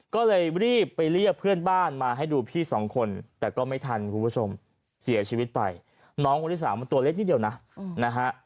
ก็เลยรีบไปเรียกเพื่อนบ้านมาให้ดูพี่สองคนแต่ก็ไม่ทันคุณผู้ชมเสียชีวิตไปน้องคนที่สามมันตัวเล็กนิดเดียวนะนะฮะ